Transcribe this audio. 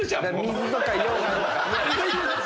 水とか溶岩とか。